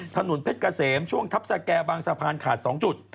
ธนุนเพศกระเซมช่วงทับสะแกบางสะพานขาด๒จุด